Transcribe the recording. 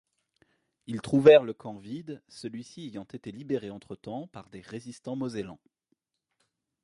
Ils trouvèrent le camp vide, celui-ci ayant été libéré entretemps par des résistants Mosellans.